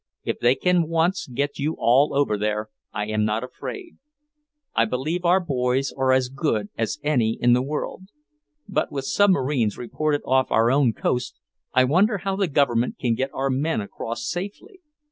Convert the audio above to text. "If they can once get you all over there, I am not afraid; I believe our boys are as good as any in the world. But with submarines reported off our own coast, I wonder how the Government can get our men across safely.